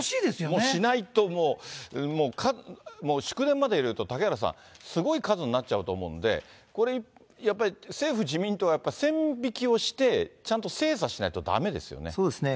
もうしないと、祝電まで入れると、嵩原さん、すごい数になっちゃうと思うんで、これ、やっぱり政府・自民党はやっぱり線引きをして、ちゃんと精査しなそうですね。